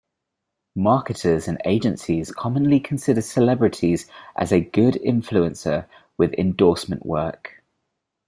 Marketers and agencies commonly consider celebrities as a good influencer with endorsement work.